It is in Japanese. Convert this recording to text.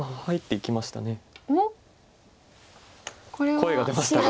声が出ましたが。